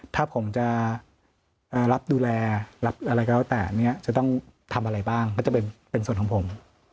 ถ้าผมจะรับดูแลรับอะไรก็แล้วแต่เนี่ยจะต้องทำอะไรบ้างก็จะเป็นส่วนของผม